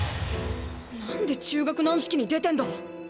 なんで中学軟式に出てんだ